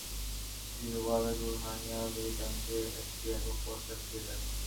দিলওয়ালে দুলহানিয়া লে যায়েঙ্গে একটি একক পর্দার থিয়েটার।